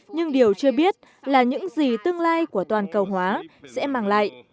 nhưng điều chưa biết là những gì tương lai của toàn cầu hóa sẽ mang lại